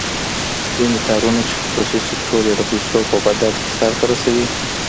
ځینې کارونه چې خصوصي سکتور یې د پیسو په بدل کې سر ته رسوي.